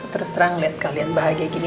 terus terang lihat kalian bahagia gini